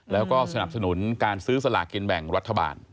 แล้วก็สนับสนุนการซื้อสลากินแบ่งรัฐบาล